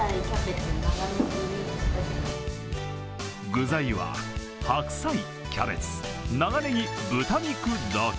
具材は、白菜、キャベツ、長ねぎ、豚肉だけ。